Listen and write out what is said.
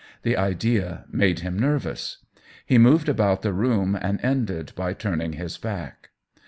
The idea made him nervous ; he moved about the room and ended by turning his back.